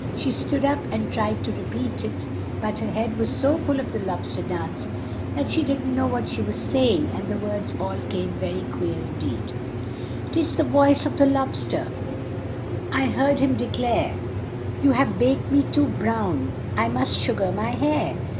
She stood up and tried to re peat it, but her head was so full of the Lob ster Dance, that she didn't know what she was say ing, and the words all came ver y queer, in deed: "'Tis the voice of the lob ster; I heard him de clare, 'You have baked me too brown, I must su gar my hair.'